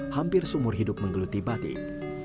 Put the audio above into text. hampir seumur hidup menggeluti batik